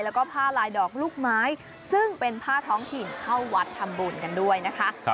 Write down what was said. แล้วก็ผ้าลายดอกลูกไม้ซึ่งเป็นผ้าท้องถิ่นเข้าวัดทำบุญกันด้วยนะคะ